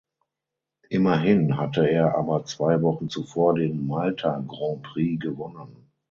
Immerhin hatte er aber zwei Wochen zuvor den Malta Grand Prix gewonnen.